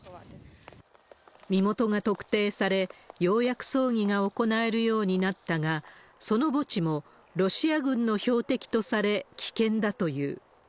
身元が特定され、ようやく葬儀が行えるようになったが、その墓地もロシア軍の標的とされ、危険だという。